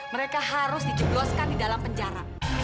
mereka harus dijebloskan di dalam penjara